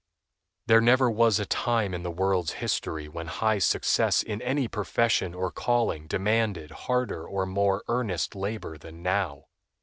There never was a time in the world's history when high success in any profession or calling demanded harder or more earnest labor than now.